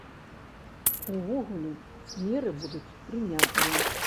Увогуле, меры будуць прынятыя.